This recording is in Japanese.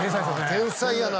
天才やな